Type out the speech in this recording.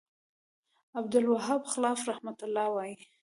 ب : عبدالوهاب خلاف رحمه الله وایی